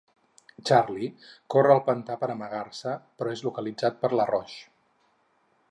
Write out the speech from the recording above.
Charlie corre al pantà per amagar-se, però és localitzat per Laroche.